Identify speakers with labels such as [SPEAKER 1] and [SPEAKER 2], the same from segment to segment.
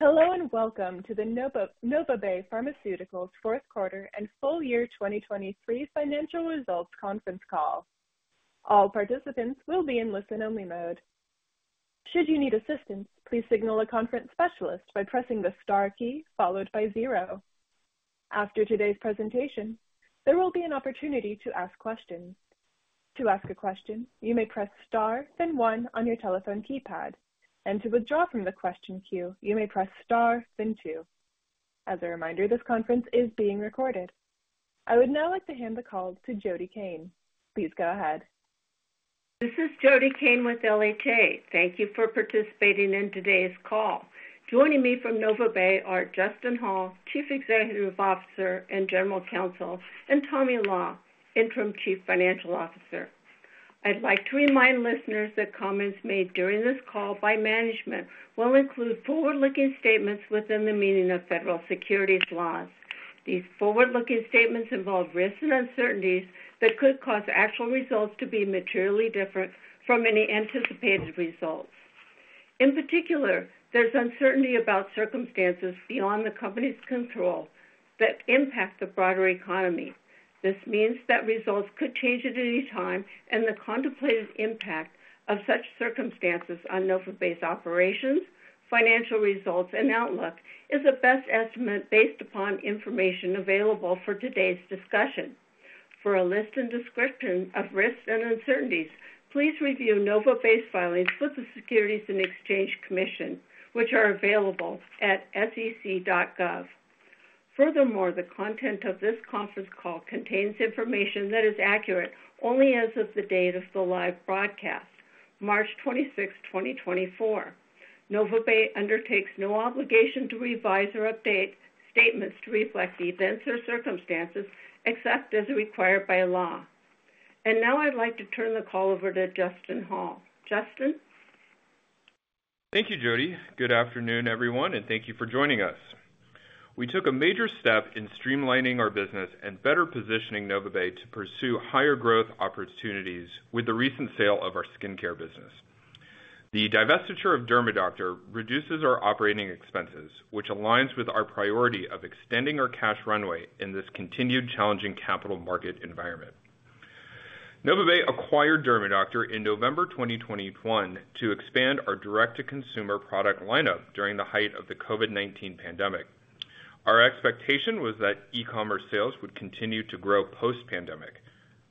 [SPEAKER 1] Hello and welcome to the NovaBay Pharmaceuticals fourth-quarter and full-year 2023 financial results conference call. All participants will be in listen-only mode. Should you need assistance, please signal a conference specialist by pressing the star key followed by zero. After today's presentation, there will be an opportunity to ask questions. To ask a question, you may press star, then one on your telephone keypad, and to withdraw from the question queue, you may press star, then two. As a reminder, this conference is being recorded. I would now like to hand the call to Jody Cain. Please go ahead.
[SPEAKER 2] This is Jody Cain with LHA. Thank you for participating in today's call. Joining me from NovaBay are Justin Hall, Chief Executive Officer and General Counsel, and Tommy Law, Interim Chief Financial Officer. I'd like to remind listeners that comments made during this call by management will include forward-looking statements within the meaning of federal securities laws. These forward-looking statements involve risks and uncertainties that could cause actual results to be materially different from any anticipated results. In particular, there's uncertainty about circumstances beyond the company's control that impact the broader economy. This means that results could change at any time, and the contemplated impact of such circumstances on NovaBay's operations, financial results, and outlook is a best estimate based upon information available for today's discussion. For a list and description of risks and uncertainties, please review NovaBay's filings with the Securities and Exchange Commission, which are available at sec.gov. Furthermore, the content of this conference call contains information that is accurate only as of the date of the live broadcast, March 26th, 2024. NovaBay undertakes no obligation to revise or update statements to reflect events or circumstances except as required by law. And now I'd like to turn the call over to Justin Hall. Justin?
[SPEAKER 3] Thank you, Jody. Good afternoon, everyone, and thank you for joining us. We took a major step in streamlining our business and better positioning NovaBay to pursue higher growth opportunities with the recent sale of our skincare business. The divestiture of DERMAdoctor reduces our operating expenses, which aligns with our priority of extending our cash runway in this continued challenging capital market environment. NovaBay acquired DERMAdoctor in November 2021 to expand our direct-to-consumer product lineup during the height of the COVID-19 pandemic. Our expectation was that e-commerce sales would continue to grow post-pandemic.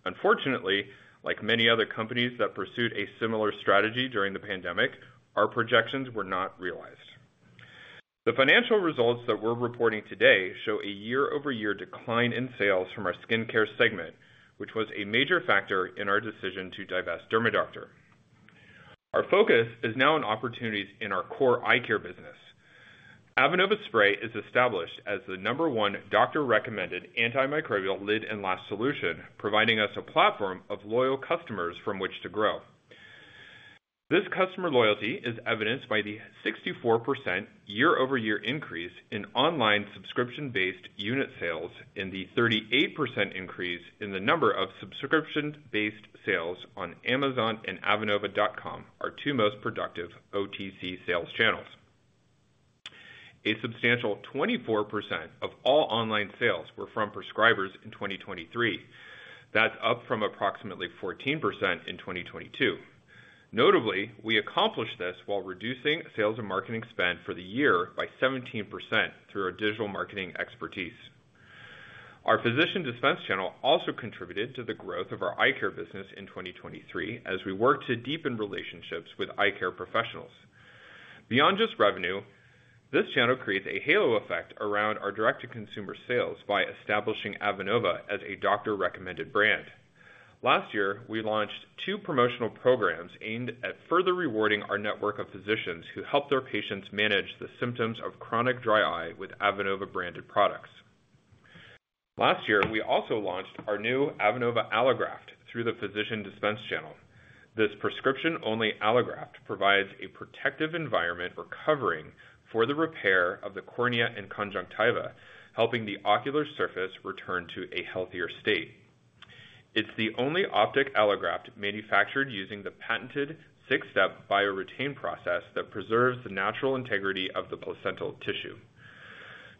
[SPEAKER 3] Unfortunately, like many other companies that pursued a similar strategy during the pandemic, our projections were not realized. The financial results that we're reporting today show a year-over-year decline in sales from our skincare segment, which was a major factor in our decision to divest DERMAdoctor. Our focus is now on opportunities in our core eye care business. Avenova Spray is established as the number one doctor-recommended antimicrobial lid and lash solution, providing us a platform of loyal customers from which to grow. This customer loyalty is evidenced by the 64% year-over-year increase in online subscription-based unit sales and the 38% increase in the number of subscription-based sales on Amazon and Avenova.com, our two most productive OTC sales channels. A substantial 24% of all online sales were from prescribers in 2023. That's up from approximately 14% in 2022. Notably, we accomplished this while reducing sales and marketing spend for the year by 17% through our digital marketing expertise. Our physician dispense channel also contributed to the growth of our eye care business in 2023 as we worked to deepen relationships with eye care professionals. Beyond just revenue, this channel creates a halo effect around our direct-to-consumer sales by establishing Avenova as a doctor-recommended brand. Last year, we launched two promotional programs aimed at further rewarding our network of physicians who help their patients manage the symptoms of chronic dry eye with Avenova-branded products. Last year, we also launched our new Avenova Allograft through the physician dispense channel. This prescription-only allograft provides a protective environment or covering for the repair of the cornea and conjunctiva, helping the ocular surface return to a healthier state. It's the only optic allograft manufactured using the patented six-step BioREtain process that preserves the natural integrity of the placental tissue.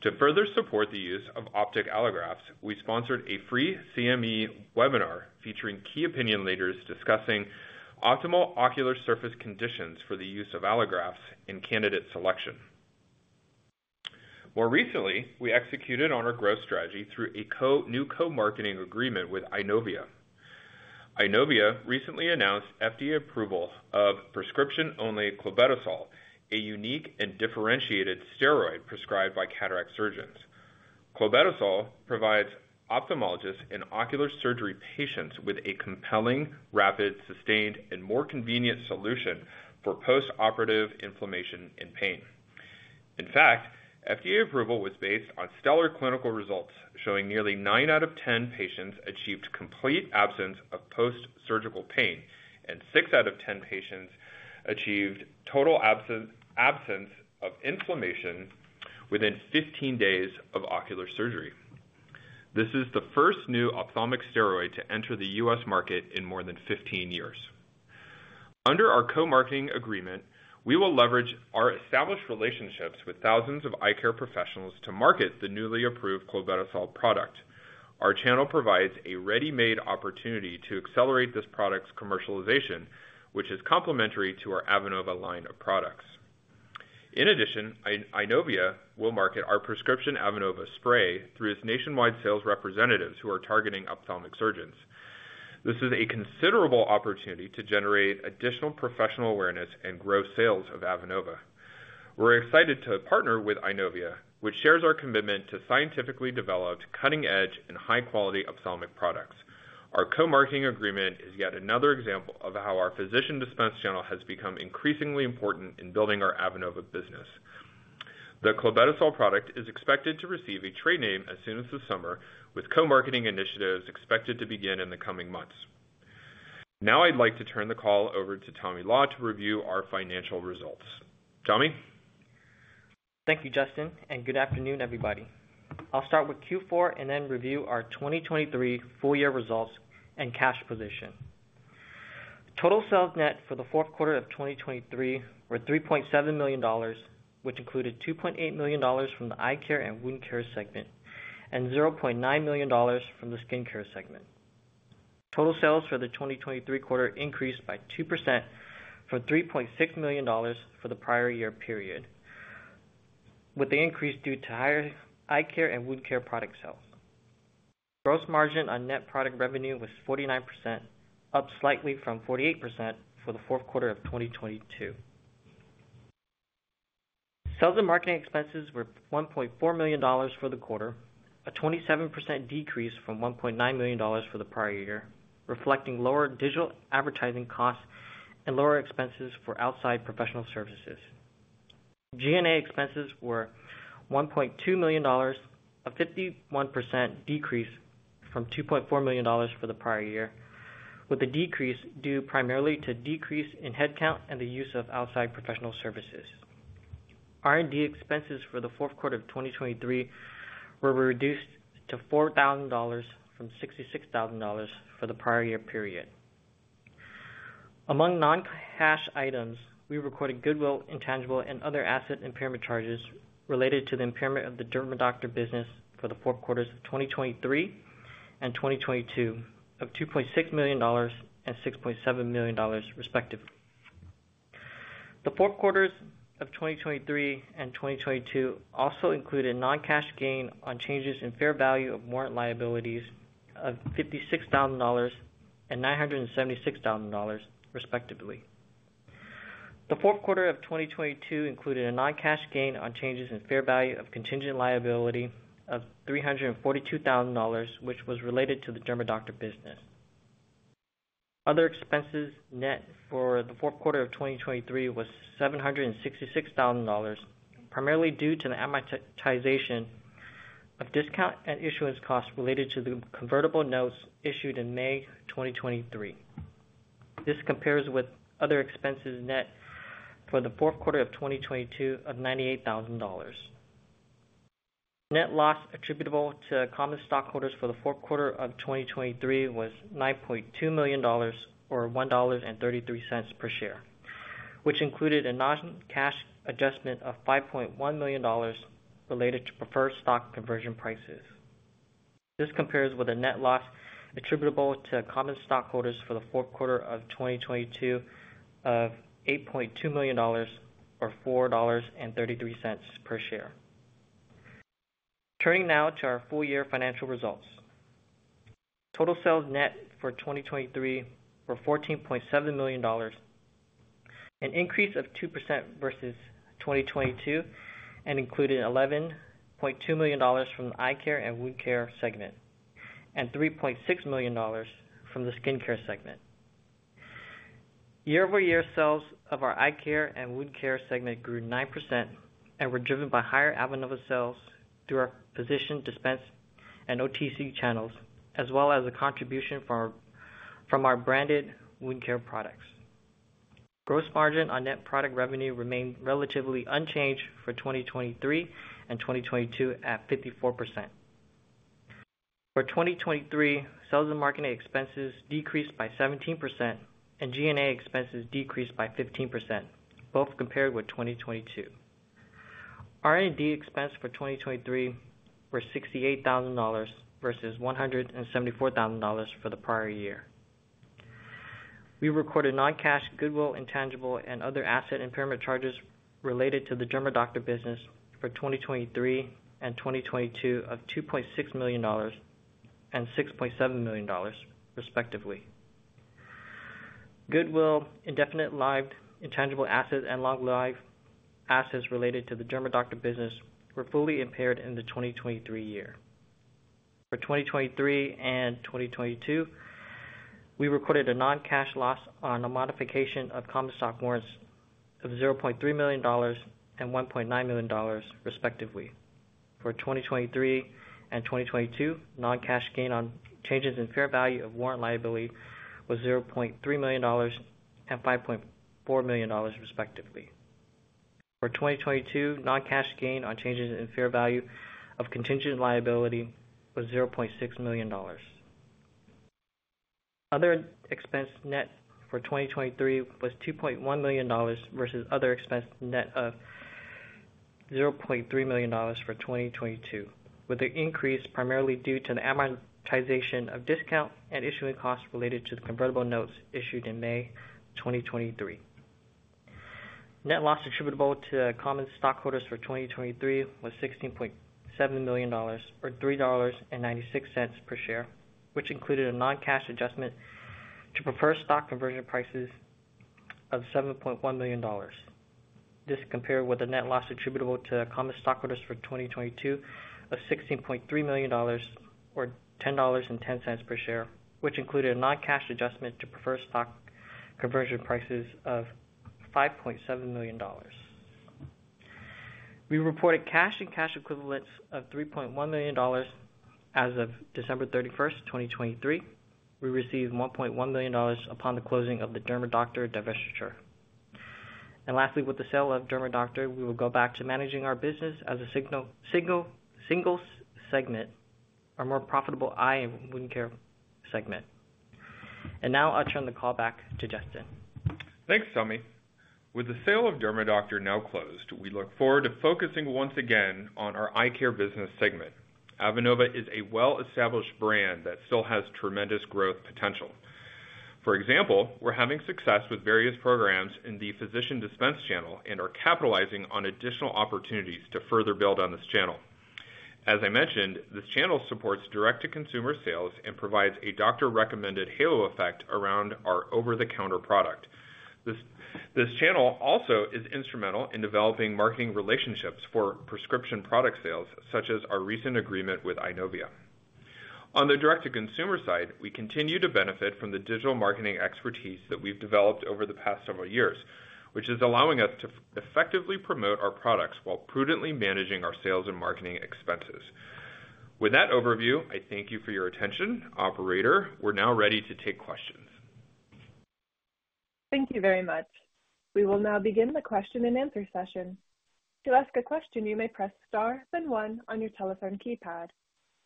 [SPEAKER 3] To further support the use of optic allografts, we sponsored a free CME webinar featuring key opinion leaders discussing optimal ocular surface conditions for the use of allografts in candidate selection. More recently, we executed on our growth strategy through a new co-marketing agreement with Eyenovia. Eyenovia recently announced FDA approval of prescription-only clobetasol, a unique and differentiated steroid prescribed by cataract surgeons. Clobetasol provides ophthalmologists and ocular surgery patients with a compelling, rapid, sustained, and more convenient solution for postoperative inflammation and pain. In fact, FDA approval was based on stellar clinical results showing nearly nine out of 10 patients achieved complete absence of post-surgical pain, and six out of 10 patients achieved total absence of inflammation within 15 days of ocular surgery. This is the first new ophthalmic steroid to enter the U.S. market in more than 15 years. Under our co-marketing agreement, we will leverage our established relationships with thousands of eye care professionals to market the newly approved clobetasol product. Our channel provides a ready-made opportunity to accelerate this product's commercialization, which is complementary to our Avenova line of products. In addition, Eyenovia will market our prescription Avenova Spray through its nationwide sales representatives who are targeting ophthalmic surgeons. This is a considerable opportunity to generate additional professional awareness and grow sales of Avenova. We're excited to partner with Eyenovia, which shares our commitment to scientifically developed, cutting-edge, and high-quality ophthalmic products. Our co-marketing agreement is yet another example of how our physician dispense channel has become increasingly important in building our Avenova business. The clobetasol product is expected to receive a trade name as soon as the summer, with co-marketing initiatives expected to begin in the coming months. Now I'd like to turn the call over to Tommy Law to review our financial results. Tommy?
[SPEAKER 4] Thank you, Justin, and good afternoon, everybody. I'll start with Q4 and then review our 2023 full-year results and cash position. Total sales net for the fourth quarter of 2023 were $3.7 million, which included $2.8 million from the eye care and wound care segment and $0.9 million from the skincare segment. Total sales for the 2023 quarter increased by 2% from $3.6 million for the prior year period, with the increase due to higher eye care and wound care product sales. Gross margin on net product revenue was 49%, up slightly from 48% for the fourth quarter of 2022. Sales and marketing expenses were $1.4 million for the quarter, a 27% decrease from $1.9 million for the prior year, reflecting lower digital advertising costs and lower expenses for outside professional services. G&A expenses were $1.2 million, a 51% decrease from $2.4 million for the prior year, with the decrease due primarily to a decrease in headcount and the use of outside professional services. R&D expenses for the fourth quarter of 2023 were reduced to $4,000 from $66,000 for the prior year period. Among non-cash items, we recorded goodwill, intangible, and other asset impairment charges related to the impairment of the DERMAdoctor business for the fourth quarters of 2023 and 2022 of $2.6 million and $6.7 million, respectively. The fourth quarters of 2023 and 2022 also included non-cash gain on changes in fair value of warrant liabilities of $56,000 and $976,000, respectively. The fourth quarter of 2022 included a non-cash gain on changes in fair value of contingent liability of $342,000, which was related to the DERMAdoctor business. Other expenses net for the fourth quarter of 2023 were $766,000, primarily due to the amortization of discount and issuance costs related to the convertible notes issued in May 2023. This compares with other expenses net for the fourth quarter of 2022 of $98,000. Net loss attributable to common stockholders for the fourth quarter of 2023 was $9.2 million or $1.33 per share, which included a non-cash adjustment of $5.1 million related to preferred stock conversion prices. This compares with a net loss attributable to common stockholders for the fourth quarter of 2022 of $8.2 million or $4.33 per share. Turning now to our full-year financial results. Total sales net for 2023 were $14.7 million, an increase of 2% versus 2022, and included $11.2 million from the eye care and wound care segment and $3.6 million from the skincare segment. Year-over-year, sales of our eye care and wound care segment grew 9% and were driven by higher Avenova sales through our physician dispense and OTC channels, as well as a contribution from our branded wound care products. Gross margin on net product revenue remained relatively unchanged for 2023 and 2022 at 54%. For 2023, sales and marketing expenses decreased by 17%, and G&A expenses decreased by 15%, both compared with 2022. R&D expense for 2023 was $68,000 versus $174,000 for the prior year. We recorded non-cash, goodwill, intangible, and other asset impairment charges related to the DERMAdoctor business for 2023 and 2022 of $2.6 million and $6.7 million, respectively. Goodwill, indefinite lived, intangible assets, and long-lived assets related to the DERMAdoctor business were fully impaired in the 2023 year. For 2023 and 2022, we recorded a non-cash loss on a modification of common stock warrants of $0.3 million and $1.9 million, respectively. For 2023 and 2022, non-cash gain on changes in fair value of warrant liability was $0.3 million and $5.4 million, respectively. For 2022, non-cash gain on changes in fair value of contingent liability was $0.6 million. Other expense net for 2023 was $2.1 million versus other expense net of $0.3 million for 2022, with the increase primarily due to the amortization of discount and issuing costs related to the convertible notes issued in May 2023. Net loss attributable to common stockholders for 2023 was $16.7 million or $3.96 per share, which included a non-cash adjustment to preferred stock conversion prices of $7.1 million. This compared with a net loss attributable to common stockholders for 2022 of $16.3 million or $10.10 per share, which included a non-cash adjustment to preferred stock conversion prices of $5.7 million. We reported cash and cash equivalents of $3.1 million as of December 31st, 2023. We received $1.1 million upon the closing of the DERMAdoctor divestiture. And lastly, with the sale of DERMAdoctor, we will go back to managing our business as a single segment, our more profitable eye and wound care segment. And now I'll turn the call back to Justin.
[SPEAKER 3] Thanks, Tommy. With the sale of DERMAdoctor now closed, we look forward to focusing once again on our eye care business segment. Avenova is a well-established brand that still has tremendous growth potential. For example, we're having success with various programs in the physician dispense channel and are capitalizing on additional opportunities to further build on this channel. As I mentioned, this channel supports direct-to-consumer sales and provides a doctor-recommended halo effect around our over-the-counter product. This channel also is instrumental in developing marketing relationships for prescription product sales, such as our recent agreement with Eyenovia. On the direct-to-consumer side, we continue to benefit from the digital marketing expertise that we've developed over the past several years, which is allowing us to effectively promote our products while prudently managing our sales and marketing expenses. With that overview, I thank you for your attention. Operator, we're now ready to take questions.
[SPEAKER 1] Thank you very much. We will now begin the question and answer session. To ask a question, you may press star, then 1 on your telephone keypad.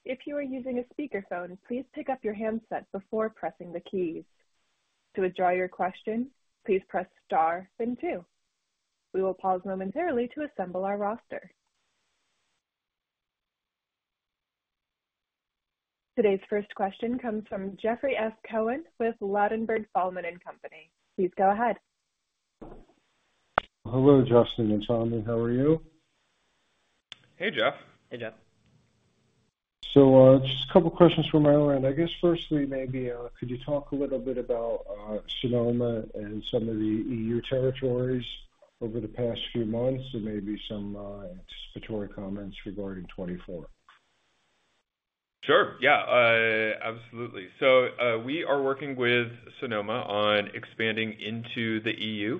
[SPEAKER 1] If you are using a speakerphone, please pick up your handset before pressing the keys. To address your question, please press star, then two. We will pause momentarily to assemble our roster. Today's first question comes from Jeffrey S. Cohen with Ladenburg Thalmann & Co. Please go ahead.
[SPEAKER 5] Hello, Justin and Tommy. How are you?
[SPEAKER 3] Hey, Jeff.
[SPEAKER 4] Hey, Jeff.
[SPEAKER 5] Just a couple of questions from my end. I guess firstly maybe could you talk a little bit about Sonoma and some of the EU territories over the past few months and maybe some anticipatory comments regarding 2024?
[SPEAKER 3] Sure. Yeah, absolutely. So we are working with Sonoma on expanding into the EU,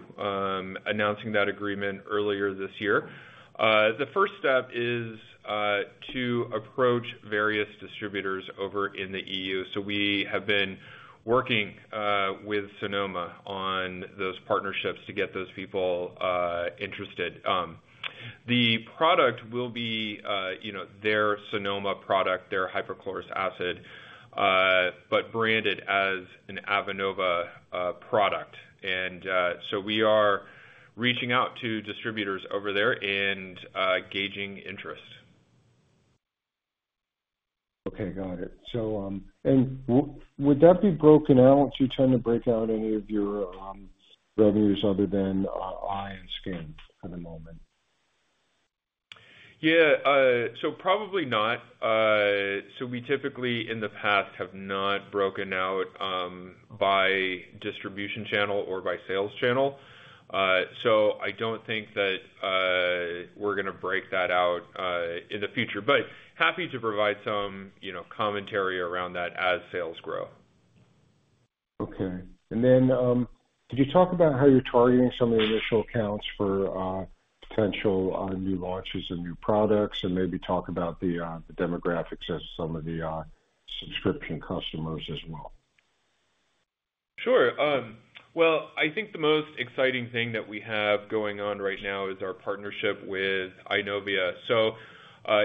[SPEAKER 3] announcing that agreement earlier this year. The first step is to approach various distributors over in the EU. So we have been working with Sonoma on those partnerships to get those people interested. The product will be their Sonoma product, their hypochlorous acid, but branded as an Avenova product. And so we are reaching out to distributors over there and gauging interest.
[SPEAKER 5] Okay. Got it. And would that be broken out? Would you tend to break out any of your revenues other than eye and skin for the moment?
[SPEAKER 3] Yeah. So probably not. So we typically, in the past, have not broken out by distribution channel or by sales channel. So I don't think that we're going to break that out in the future, but happy to provide some commentary around that as sales grow.
[SPEAKER 5] Okay. And then could you talk about how you're targeting some of the initial accounts for potential new launches of new products and maybe talk about the demographics of some of the subscription customers as well?
[SPEAKER 3] Sure. Well, I think the most exciting thing that we have going on right now is our partnership with Eyenovia. So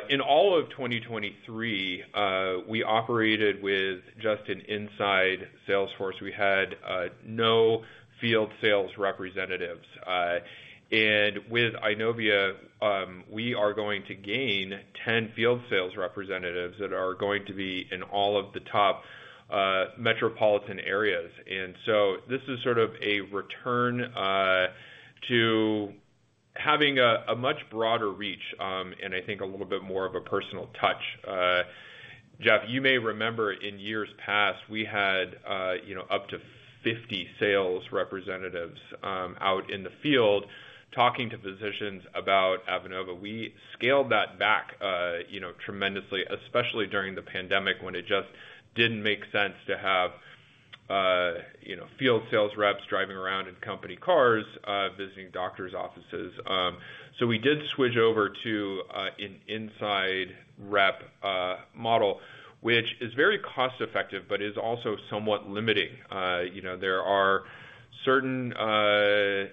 [SPEAKER 3] in all of 2023, we operated with just an inside sales force. We had no field sales representatives. And with Eyenovia, we are going to gain 10 field sales representatives that are going to be in all of the top metropolitan areas. And so this is sort of a return to having a much broader reach and I think a little bit more of a personal touch. Jeff, you may remember in years past, we had up to 50 sales representatives out in the field talking to physicians about Avenova. We scaled that back tremendously, especially during the pandemic when it just didn't make sense to have field sales reps driving around in company cars visiting doctors' offices. So we did switch over to an inside rep model, which is very cost-effective but is also somewhat limiting. There are certain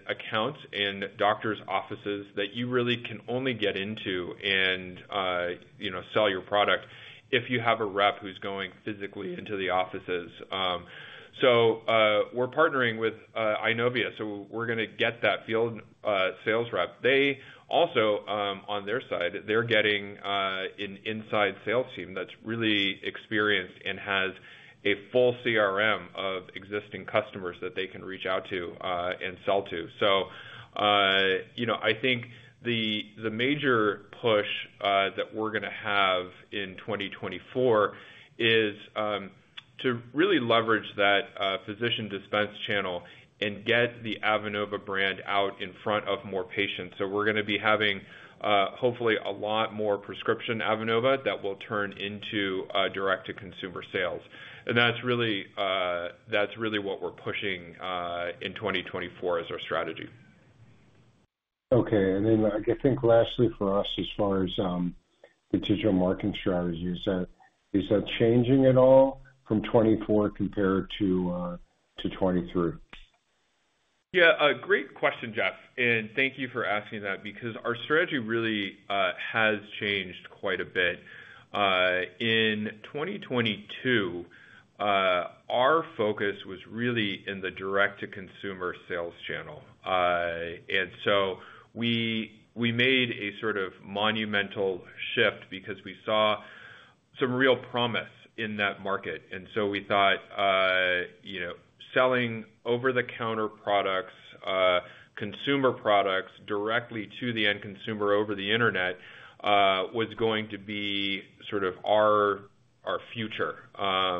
[SPEAKER 3] accounts in doctors' offices that you really can only get into and sell your product if you have a rep who's going physically into the offices. So we're partnering with Eyenovia. So we're going to get that field sales rep. Also, on their side, they're getting an inside sales team that's really experienced and has a full CRM of existing customers that they can reach out to and sell to. So I think the major push that we're going to have in 2024 is to really leverage that physician dispense channel and get the Avenova brand out in front of more patients. So we're going to be having, hopefully, a lot more prescription Avenova that will turn into direct-to-consumer sales. That's really what we're pushing in 2024 as our strategy.
[SPEAKER 5] Okay. And then I think lastly for us, as far as the digital marketing strategies, is that changing at all from 2024 compared to 2023?
[SPEAKER 3] Yeah. Great question, Jeff. Thank you for asking that because our strategy really has changed quite a bit. In 2022, our focus was really in the direct-to-consumer sales channel. We made a sort of monumental shift because we saw some real promise in that market. We thought selling over-the-counter products, consumer products directly to the end consumer over the internet was going to be sort of our future. As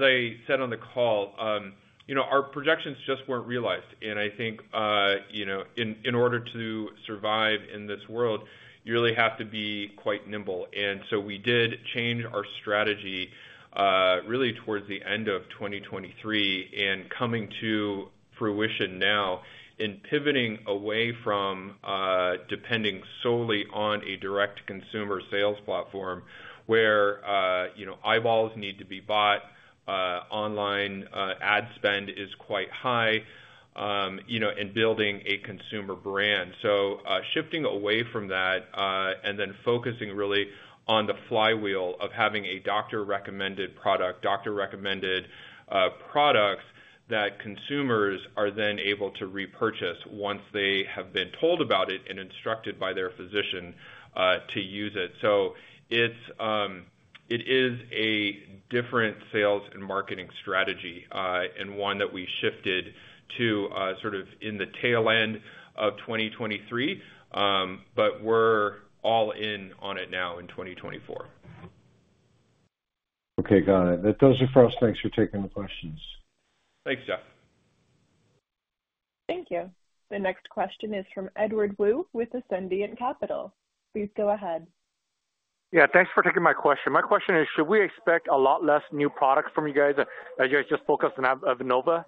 [SPEAKER 3] I said on the call, our projections just weren't realized. I think in order to survive in this world, you really have to be quite nimble. We did change our strategy really towards the end of 2023 and coming to fruition now in pivoting away from depending solely on a direct-to-consumer sales platform where eyeballs need to be bought, online ad spend is quite high, and building a consumer brand. Shifting away from that and then focusing really on the flywheel of having a doctor-recommended product, doctor-recommended products that consumers are then able to repurchase once they have been told about it and instructed by their physician to use it. So it is a different sales and marketing strategy and one that we shifted to sort of in the tail end of 2023, but we're all in on it now in 2024.
[SPEAKER 5] Okay. Got it. Those are for us. Thanks for taking the questions.
[SPEAKER 3] Thanks, Jeff.
[SPEAKER 1] Thank you. The next question is from Edward Woo with Ascendiant Capital. Please go ahead.
[SPEAKER 6] Yeah. Thanks for taking my question. My question is, should we expect a lot less new products from you guys as you guys just focused on Avenova?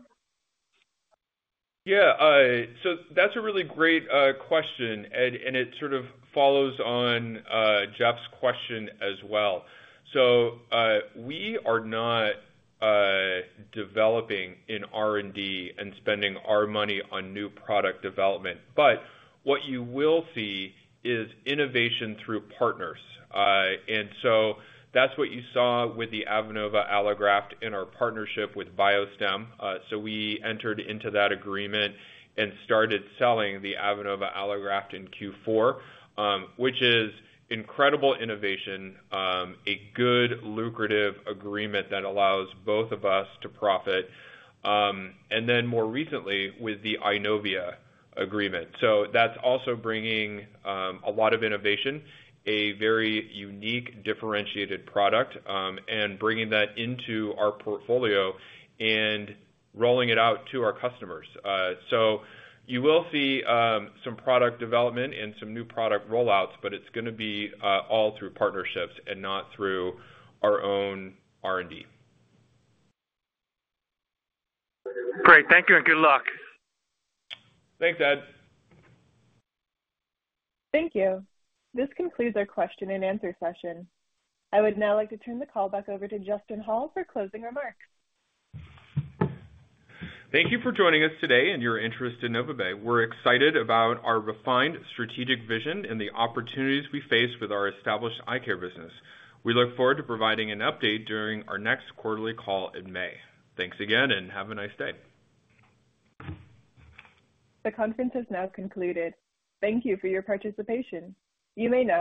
[SPEAKER 3] Yeah. So that's a really great question, and it sort of follows on Jeff's question as well. So we are not developing in R&D and spending our money on new product development. But what you will see is innovation through partners. And so that's what you saw with the Avenova Allograft in our partnership with BioStem. So we entered into that agreement and started selling the Avenova Allograft in Q4, which is incredible innovation, a good, lucrative agreement that allows both of us to profit, and then more recently with the Eyenovia agreement. So that's also bringing a lot of innovation, a very unique, differentiated product, and bringing that into our portfolio and rolling it out to our customers. So you will see some product development and some new product rollouts, but it's going to be all through partnerships and not through our own R&D.
[SPEAKER 6] Great. Thank you and good luck.
[SPEAKER 3] Thanks, Ed.
[SPEAKER 1] Thank you. This concludes our question and answer session. I would now like to turn the call back over to Justin Hall for closing remarks.
[SPEAKER 3] Thank you for joining us today and your interest in NovaBay. We're excited about our refined strategic vision and the opportunities we face with our established eye care business. We look forward to providing an update during our next quarterly call in May. Thanks again and have a nice day.
[SPEAKER 1] The conference has now concluded. Thank you for your participation. You may now.